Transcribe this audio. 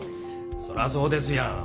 そらそうですやん。